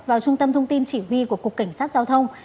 vào trung tâm thông tin chỉ huy của cục cảnh sát giao thông